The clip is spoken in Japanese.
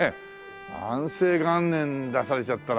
安政元年出されちゃったら。